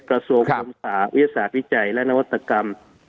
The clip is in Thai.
กระทรวงศึกษาวิทยาศาสตร์วิจัยและนวัตกรรม